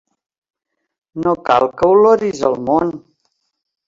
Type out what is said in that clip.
No cal que oloris el món!